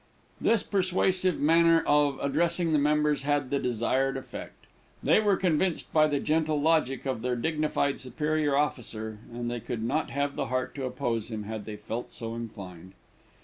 This persuasive manner of addressing the members had the desired effect. They were convinced by the gentle logic of their dignified superior officer, and they could not have the heart to oppose him had they felt so inclined.